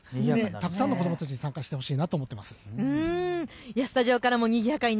たくさんのお子さんに参加してほしいと思います。